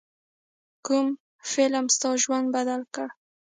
کوم فلم ستا ژوند بدل کړ.